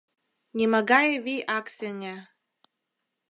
Нимогае вий ак сеҥе: